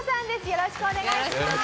よろしくお願いします。